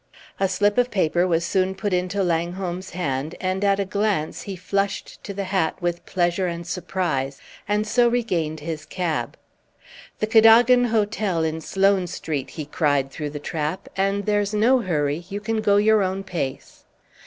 A slip of paper was soon put into Langholm's hand, and at a glance he flushed to the hat with pleasure and surprise, and so regained his cab. "The Cadogan Hotel, in Sloane Street," he cried through the trap; "and there's no hurry, you can go your own pace."